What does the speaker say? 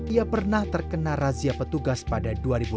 ia pernah terkena razia petugas pada dua ribu lima